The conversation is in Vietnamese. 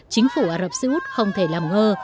chính phủ ả rập xê út không thể làm ngơ